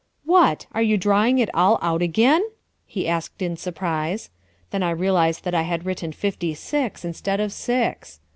"What! are you drawing it all out again?" he asked in surprise. Then I realized that I had written fifty six instead of six.